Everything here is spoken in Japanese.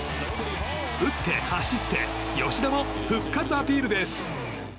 打って、走って吉田も復活アピールです。